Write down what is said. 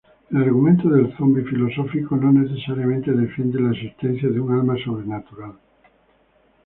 El argumento del zombi filosófico no necesariamente defiende la existencia de un alma sobrenatural.